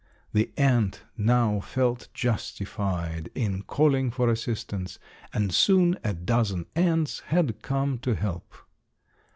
The ant now felt justified in calling for assistance, and soon a dozen ants had come to help.